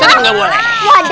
wadah ampun nggak boleh